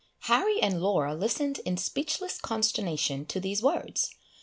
Harry and Laura listened in speechless consternation to these words.